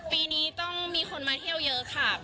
ปีนี้ต้องมีคนมาเที่ยวเยอะค่ะ